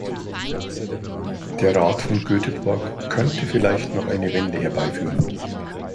Der Rat von Göteborg könnte vielleicht noch eine Wende herbeiführen.